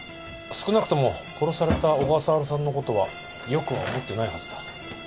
少なくとも殺された小笠原さんのことはよくは思ってないはずだ。